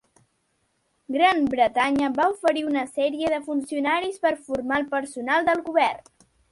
Gran Bretanya va oferir una sèrie de funcionaris per formar el personal del govern.